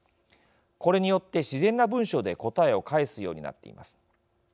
これによって自然な文章で答えを返すようになっています。